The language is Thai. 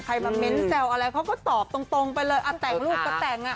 มาเม้นต์แซวอะไรเขาก็ตอบตรงไปเลยอ่ะแต่งลูกก็แต่งอ่ะ